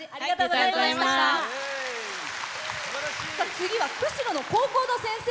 次は釧路の高校の先生。